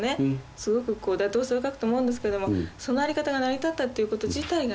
すごく妥当性を欠くと思うんですけどもそのあり方が成り立ったっていうこと自体がね